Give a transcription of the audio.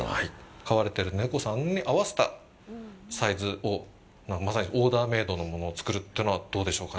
飼われてる猫さんに合わせたサイズをまさにオーダーメードのものを作るというのはどうでしょうか。